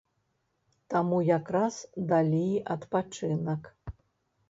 Таму як раз далі адпачынак.